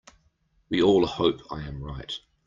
We all hope I am right.